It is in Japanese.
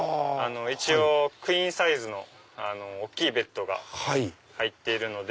一応クイーンサイズの大きいベッドが入っているので。